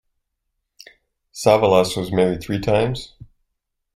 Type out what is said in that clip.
Savalas was married three times.